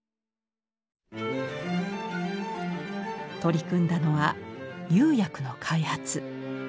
取り組んだのは釉薬の開発。